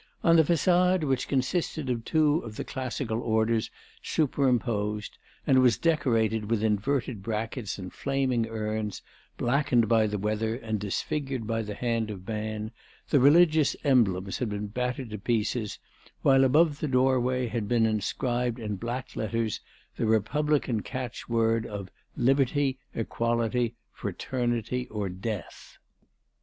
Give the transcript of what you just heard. On the façade, which consisted of two of the Classical orders superimposed and was decorated with inverted brackets and flaming urns, blackened by the weather and disfigured by the hand of man, the religious emblems had been battered to pieces, while above the doorway had been inscribed in black letters the Republican catchword of "Liberty, Equality, Fraternity or Death."